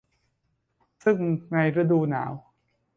ซึ่งในฤดูหนาว